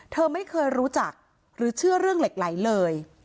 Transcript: เธอไม่เคยรู้จักหรือเชื่อเรื่องเหล็กไหลเลย